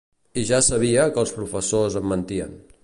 I ja sabia que els professors em mentien.